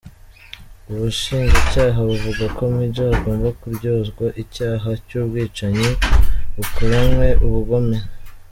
Ubushinjacyaha buvuga ko Major agomba kuryozwa icyaha cy'ubwicanyi bukoranywe ubugome.